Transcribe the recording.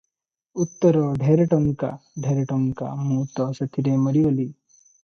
ଉତ୍ତର 'ଢ଼େର ଟଙ୍କା, ଢ଼େର ଟଙ୍କା, ମୁଁ ତ ସେଥିରେ ମରିଗଲି ।